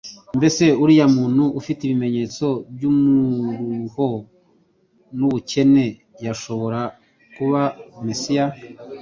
Mbese uriya muntu ufite ibimenyetso by'umuruho n'ubukene, yashobora kuba Mesiya?